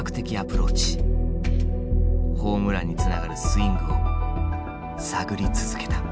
ホームランにつながるスイングを探り続けた。